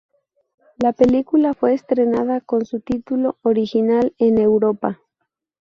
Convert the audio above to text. La película fue estrenada con su título original en Europa.